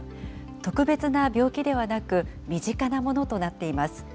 特別な病気ではなく、身近なものとなっています。